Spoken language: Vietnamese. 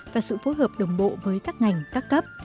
và sự phối hợp đồng bộ với các ngành các cấp